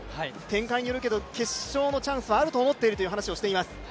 展開によるけど決勝のチャンスはあると思っていると話しています。